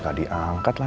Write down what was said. gak diangkat lagi